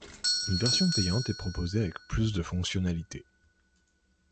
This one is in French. Une version payante est proposée avec plus de fonctionnalités.